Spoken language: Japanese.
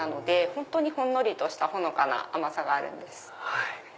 本当にほんのりとしたほのかな甘さがあるんです。